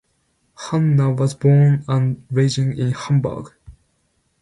Hanne was born and raised in Hamburg.